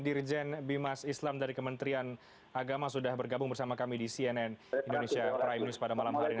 dirjen bimas islam dari kementerian agama sudah bergabung bersama kami di cnn indonesia prime news pada malam hari ini